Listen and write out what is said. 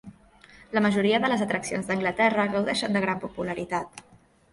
La majoria de les atraccions d'Anglaterra, gaudeixen de gran popularitat.